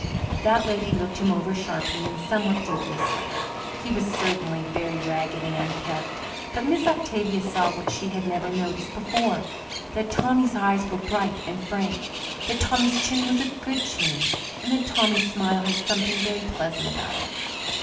That lady looked him over sharply and somewhat dubiously. He was certainly very ragged and unkempt. But Miss Octavia saw what she had never noticed before that Tommy's eyes were bright and frank, that Tommy's chin was a good chin, and that Tommy's smile had something very pleasant about it.